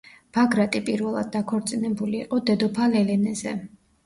ბაგრატი პირველად დაქორწინებული იყო დედოფალ ელენეზე.